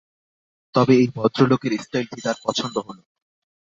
তবে এই ভদ্র লোকের স্টাইলটি তার পছন্দ হলো।